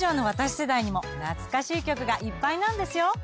世代にも懐かしい曲がいっぱいなんですよ。